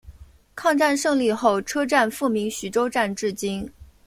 抗战胜利后车站复名徐州站至今。